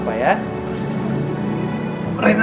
ganti baju renang